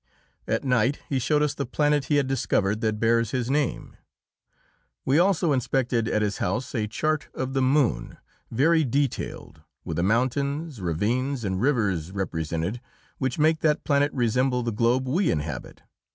At night he showed us the planet he had discovered that bears his name. We also inspected at his house a chart of the moon, very detailed, with the mountains, ravines and rivers represented which make that planet resemble the globe we inhabit.